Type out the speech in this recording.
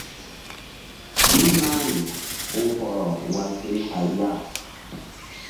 Ɓil mahri oh hɔrɔ wal keni hay ya.